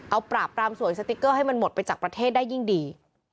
เอาปราบปรามสวยสติ๊กเกอร์ให้มันหมดไปจากประเทศได้ยิ่งดี